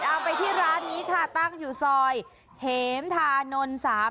เอาไปที่ร้านนี้ค่ะตั้งอยู่ซอยเหมธานนท์๓